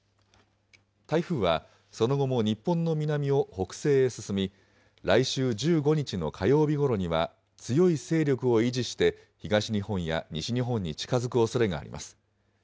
台風はその後も日本の南を北西へ進み、来週１５日の火曜日ごろには、強い勢力を維持して、東日本や西日本に近づくおそれがあります。